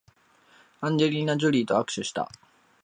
アンジェリーナジョリーと握手した